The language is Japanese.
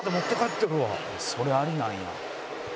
「それありなんや」